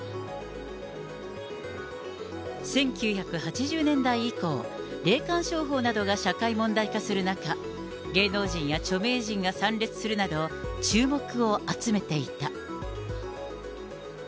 １９８０年代以降、霊感商法などが社会問題化する中、芸能人や著名人が参列するなど、注目を集めていた。